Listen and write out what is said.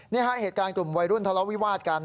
นี่ฮะเหตุการณ์กลุ่มวัยรุ่นทะเลาะวิวาดกัน